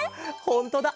ほんとだ。